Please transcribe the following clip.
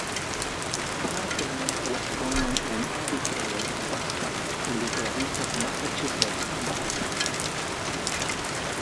Parker was born and educated in Boston in the Province of Massachusetts Bay.